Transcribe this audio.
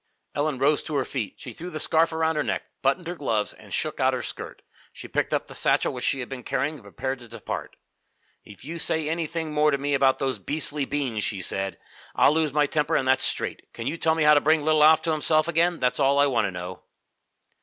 Ellen rose to her feet. She threw the scarf around her neck, buttoned her gloves, and shook out her skirt. She picked up the satchel which she had been carrying and prepared to depart. "If you say anything more to me about your beastly beans," she said, "I'll lose my temper, and that's straight. Can you tell me how to bring little Alf to himself again? That's all I want to know."